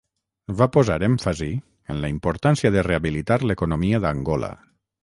Va posar èmfasi en la importància de rehabilitar l'economia d'Angola.